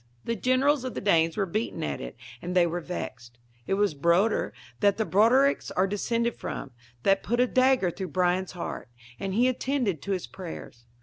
The generals of the Danes were beaten at it, and they were vexed. It was Broder, that the Brodericks are descended from, that put a dagger through Brian's heart, and he attending to his prayers.